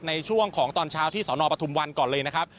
ในช่วงของตอนเช้าที่สนปฐุมวันก่อนเลยนะครับ